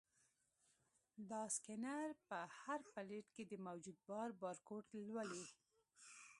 دا سکینر په هر پلیټ کې د موجود بار بارکوډ لولي.